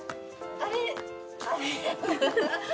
あれ。